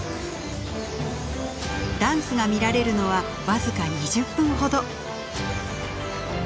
ダンスが見られるのは僅か２０分ほど。